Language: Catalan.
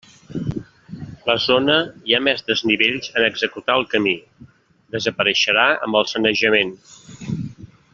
La zona hi ha més desnivells en executar el camí, desapareixerà amb el sanejament.